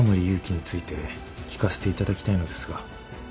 勇気について聞かせていただきたいのですが。